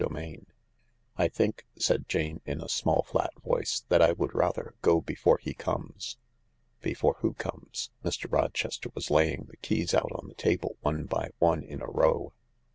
" CHAPTER XVI " I think," said Jane, in a small, flat voice, " that I would rather go before he comes." " Before who comes ?" Mr. Rochester was laying the keys out on the table, one by one, in a row.